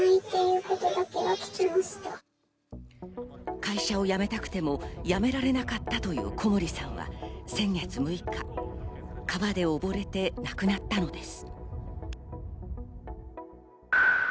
会社を辞めたくても辞められなかったという小森さんは先月６日、川でおぼれて亡くなったのです。